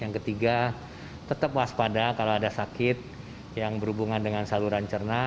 yang ketiga tetap waspada kalau ada sakit yang berhubungan dengan saluran cerna